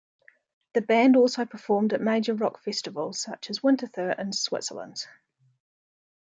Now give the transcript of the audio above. The band also performed at major rock festivals such as Winterthur in Switzerland.